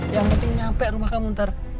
yang penting nyampe rumah kamu ntar